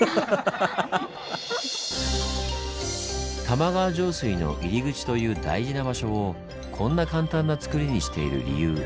玉川上水の入り口という大事な場所をこんな簡単なつくりにしている理由。